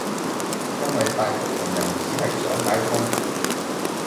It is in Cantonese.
因爲大部分人只係想解封